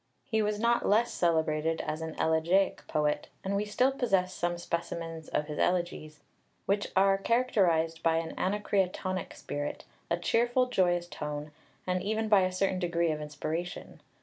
He was not less celebrated as an elegiac poet, and we still possess some specimens of his elegies, which are characterised by an Anacreontic spirit, a cheerful, joyous tone, and even by a certain degree of inspiration.